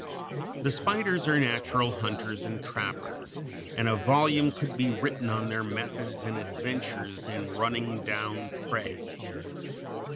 The spiders are natural hunters and trappers, and a volume could be written on their methods and adventures in running down prey.